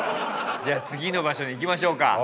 じゃあ次の場所行きましょうか。